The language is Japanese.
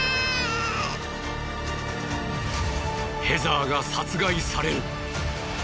ヘザーが殺害される。